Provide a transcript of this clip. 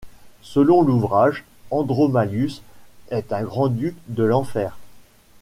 Selon l'ouvrage, Andromalius est un grand duc de l'Enfer.